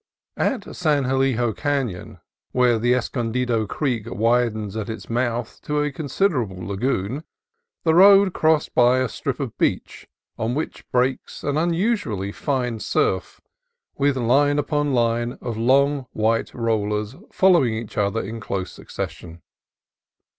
At San Elijo Canon, where the Escondido Creek widens at its mouth to a considerable lagoon, the road crossed by a strip of beach on which breaks an unusually fine surf, with line upon line of long white rollers following each other in close succession.